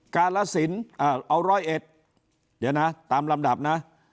กาลสินเอาร้อยเอ็ดเดี๋ยวนะตามลำดับนะ